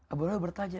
abu hurairah bertanya